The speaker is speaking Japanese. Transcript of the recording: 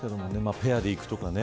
ペアで行くとかね。